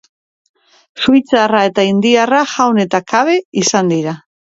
Suitzarra eta indiarra jaun eta kabe izan dira.